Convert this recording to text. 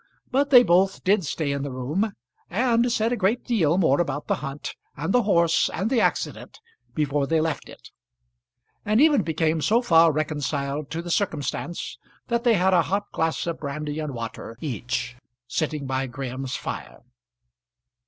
But they both did stay in the room, and said a great deal more about the hunt, and the horse, and the accident before they left it; and even became so far reconciled to the circumstance that they had a hot glass of brandy and water each, sitting by Graham's fire.